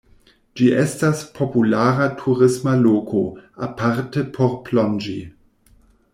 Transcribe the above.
Ĝi estas populara turisma loko, aparte por plonĝi.